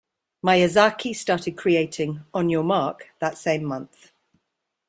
Miyazaki started creating "On Your Mark" that same month.